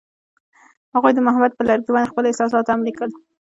هغوی د محبت پر لرګي باندې خپل احساسات هم لیکل.